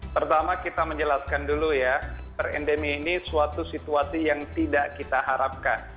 pertama kita menjelaskan dulu ya per endemi ini suatu situasi yang tidak kita harapkan